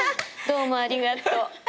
どうもありがとう。